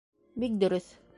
Бик дөрөҫ.